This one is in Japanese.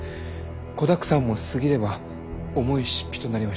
子だくさんも過ぎれば重い出費となりましょう。